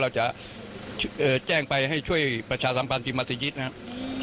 เราจะเอ่อแจ้งไปให้ช่วยประชาสมที่มาเสยิตนะครับอืม